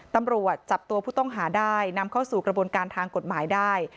ตำรวจจับตัวผู้ต้องหาได้นำเข้าสู่กระบวนการทางกฎหมายได้